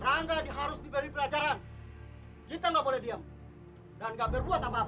rangga diharuskan pelajaran kita nggak boleh diam dan gak berbuat apa apa